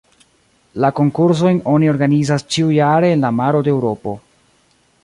La konkursojn oni organizas ĉiujare en la maro de Eŭropo.